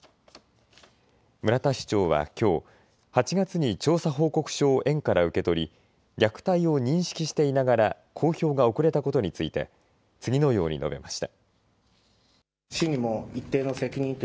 村田市長はきょう８月に調査報告書を園から受け取り虐待を認識していながら公表が遅れたことについて次のように述べました。